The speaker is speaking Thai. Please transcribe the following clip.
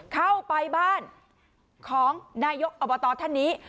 เข้าไปบ้านของนายกอบตท่านนี้